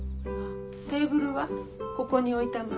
テーブルはここに置いたまま？